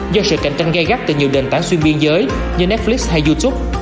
do sự cạnh tranh gây gắt từ nhiều nền tảng xuyên biên giới như netflix hay youtube